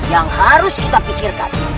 yang harus kita pikirkan